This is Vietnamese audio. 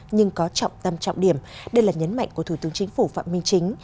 nhưng có trọng tâm trọng điểm đây là nhấn mạnh của thủ tướng chính phủ phạm minh chính